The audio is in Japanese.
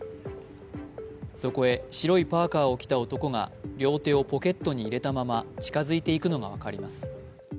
そこへ白いパーカを着た男両手をポケットに入れたまま近づいていくのが分かります。